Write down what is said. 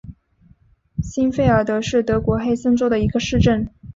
欣费尔德是德国黑森州的一个市镇。